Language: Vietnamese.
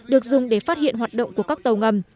được dùng để phát hiện hoạt động của các tàu ngầm